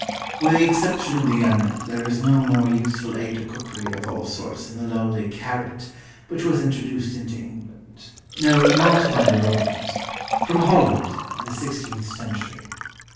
With the exception of the onion there is no more useful aid to cookery of all sorts than the lowly carrot, which was introduced into England no, not by the Romans from Holland, in the sixteenth century.